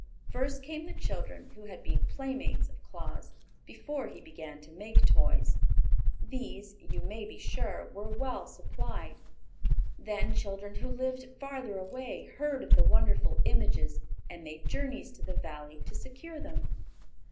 First came the children who had been playmates of Claus, before he began to make toys. These, you may be sure, were well supplied. Then children who lived farther away heard of the wonderful images and made journeys to the Valley to secure them.